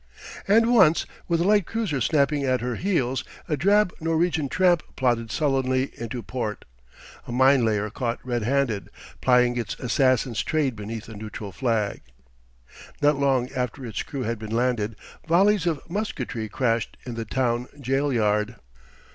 And once, with a light cruiser snapping at her heels, a drab Norwegian tramp plodded sullenly into port, a mine layer caught red handed, plying its assassin's trade beneath a neutral flag. Not long after its crew had been landed, volleys of musketry crashed in the town gaol yard.